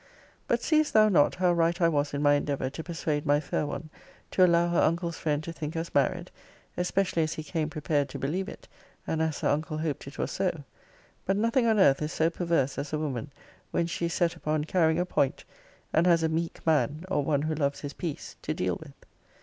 But seest thou not how right I was in my endeavour to persuade my fair one to allow her uncle's friend to think us married; especially as he came prepared to believe it; and as her uncle hoped it was so? But nothing on earth is so perverse as a woman, when she is set upon carrying a point, and has a meek man, or one who loves his peace, to deal with.